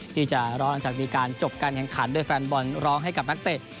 ที่จะร้องหลังจากมีการจบการแข่งขันโดยแฟนบอลร้องให้กับนักเตะ